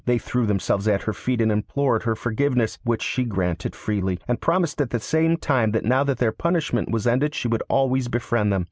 They threw themselves at her feet and implored her forgiveness, which she granted freely, and promised at the same time that now their punishment was ended she would always befriend them.